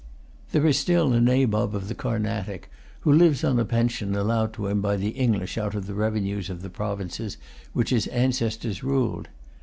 There is still a Nabob of the Carnatic, who lives on a pension allowed to him by the English out of the revenues of the provinces which his ancestors ruled.